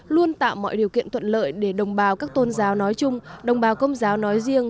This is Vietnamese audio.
luôn tạo mọi điều kiện thuận lợi để đồng bào các tôn giáo nói chung đồng bào công giáo nói riêng